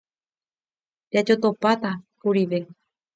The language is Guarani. Jajotopáta kurive.